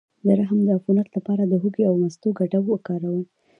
د رحم د عفونت لپاره د هوږې او مستو ګډول وکاروئ